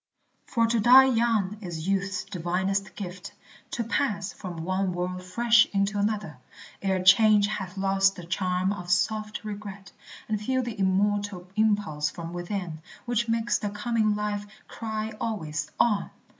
For to die young is youth's divinest gift; To pass from one world fresh into another, Ere change hath lost the charm of soft regret, And feel the immortal impulse from within Which makes the coming life cry always, On!